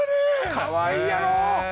かわいいやろ？